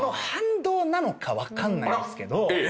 分かんないんですけど。